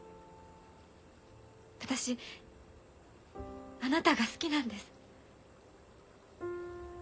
私あなたが好きなんです。